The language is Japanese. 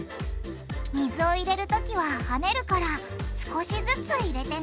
水を入れるときははねるから少しずつ入れてね！